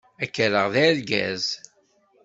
Ad k-rreɣ d argaz.